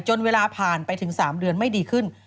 เวลาผ่านไปถึง๓เดือนไม่ดีขึ้น